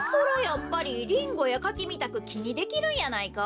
やっぱりリンゴやカキみたくきにできるんやないか？